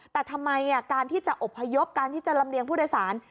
แต่ทำไมการที่จะอบพยพการที่จะลำเลียงผู้โดยสาร